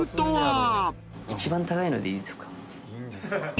いいんですか？